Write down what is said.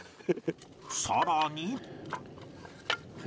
さらに